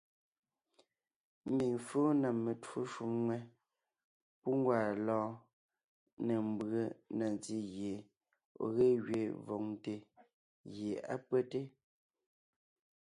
Ḿbiŋ fɔ́ɔn na metwó shúm ŋwɛ́, pú ńgwaa lɔ́ɔn, ńne ḿbʉe na ntí gie ɔ̀ ge gẅiin vòŋte gie á pÿɛ́te.